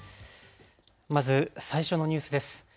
まず最初のニュースです。